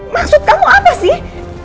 maksud kamu apa sih